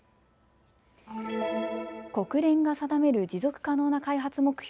国連が定める持続可能な開発目標